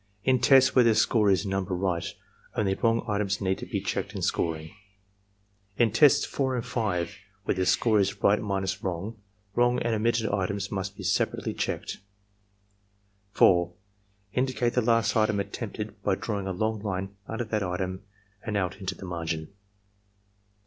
In tests where the score is "Number Right," only wrong items need be checked in scoring. In Tests 4 and 5, where the score is "Right minus Wrong," wrong and omitted items must be separately checked. 4. Indicate the last item attempted by drawing a long line under that item and out into the margin.